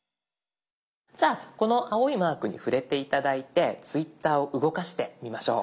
じゃあこの青いマークに触れて頂いてツイッターを動かしてみましょう。